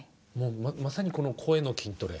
まさにこの声の筋トレ。